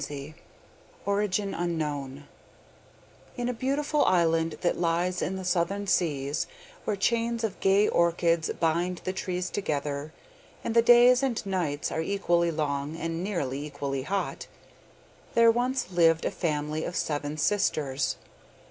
The Bones of Djulung In a beautiful island that lies in the southern seas, where chains of gay orchids bind the trees together, and the days and nights are equally long and nearly equally hot, there once lived a family of seven sisters.